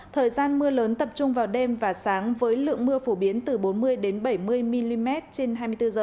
thời gian mưa lớn tập trung vào đêm và sáng với lượng mưa phổ biến từ bốn mươi bảy mươi mm trên hai mươi bốn h